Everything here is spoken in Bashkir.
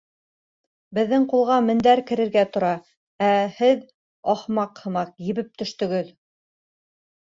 — Беҙҙең ҡулға мендәр керергә тора, ә һеҙ ахмаҡ һымаҡ ебеп төштөгөҙ!